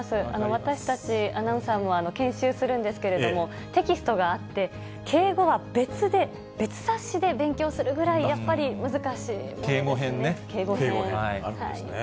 私たち、アナウンサーも研修するんですけれども、テキストがあって、敬語は別で、別冊子で勉強するくらい、やっぱり難しいものですよね。